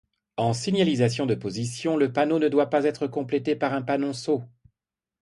En signalisation de position, le panneau ne doit pas être complété par un panonceau.